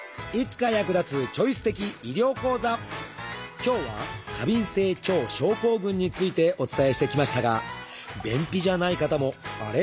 今日は過敏性腸症候群についてお伝えしてきましたが便秘じゃない方もあれ？